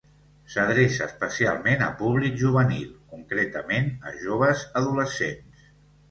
S’adreça especialment a públic juvenil, concretament a joves adolescents.